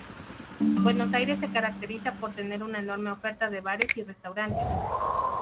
Buenos Aires se caracteriza por tener una enorme oferta de bares y restaurantes.